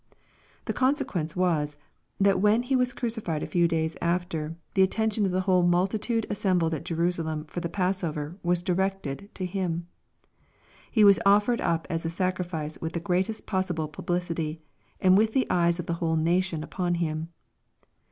The consequence was, that when He was crucified a few days after, the attention of the whole multitude assembled at Jerusalem fo/ tlie passover, was directed to Him. He was offered up as a sacrifice with the greatest possible publicity, and with the eyes of the \^ hole nation upon Him.